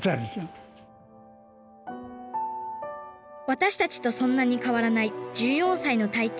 私たちとそんなに変わらない１４歳の体験